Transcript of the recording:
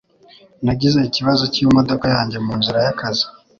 Nagize ikibazo cyimodoka yanjye munzira y'akazi